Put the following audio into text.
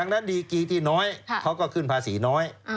ดังนั้นดีกีที่น้อยเขาก็ขึ้นภาษีน้อย